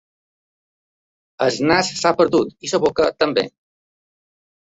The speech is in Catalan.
El nas s'ha perdut i la boca també.